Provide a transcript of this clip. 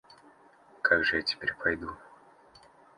Как же я теперь пойду?